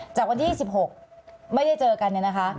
จากวันที่๑๖ไม่ได้เจอกันเนี่ยนะคะ